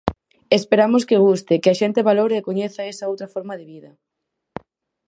Esperamos que guste, que a xente valore e coñeza esa outra forma de vida.